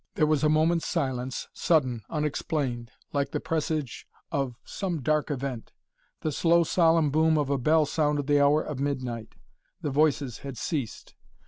There was a moment's silence, sudden, unexplained, like the presage of some dark event. The slow solemn boom of a bell sounded the hour of midnight. The voices had ceased.